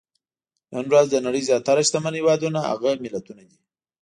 نن ورځ د نړۍ زیاتره شتمن هېوادونه هغه ملتونه دي.